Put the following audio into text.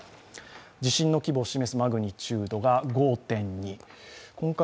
地震の規模を示すマグニチュードが５．２。